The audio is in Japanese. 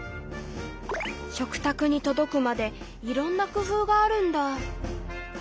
食卓に届くまでいろんな工夫があるんだ。